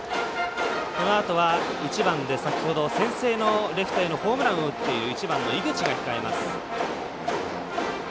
このあとは１番で先ほど先制のレフトへホームランを打っている１番の井口が控えます。